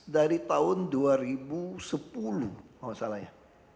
dari tahun dua ribu sepuluh mau salah ya